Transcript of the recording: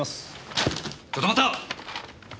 ちょっと待った！